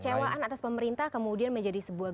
jadi kekecewaan atas pemerintah kemudian menjadi sebuah garis